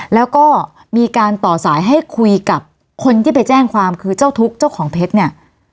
แล้วก็มีการต่อสายให้คุยกับคนที่ไปแจ้งความคือเจ้าทุกข์เจ้าของเพชรเนี่ย